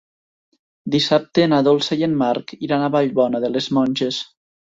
Dissabte na Dolça i en Marc iran a Vallbona de les Monges.